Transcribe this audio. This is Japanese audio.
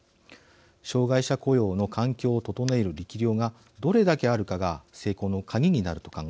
障害者雇用の環境を整える力量がどれだけあるかが成功の鍵になると考えます。